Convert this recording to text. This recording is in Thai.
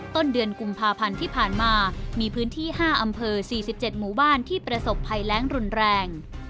ต้นเดือนกุมภาพันธ์ที่ผ่านมามีพื้นที่๕อำเภอ๔๗หมู่บ้านที่ประสบภัยแรงรุนแรง